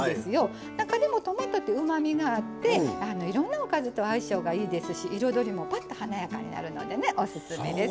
中でもトマトってうまみがあっていろんなおかずと相性がいいですし彩りもぱっと華やかになるのでねオススメです。